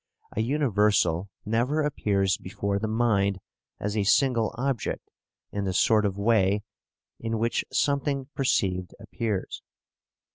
A universal never appears before the mind as a single object in the sort of way in which something perceived appears.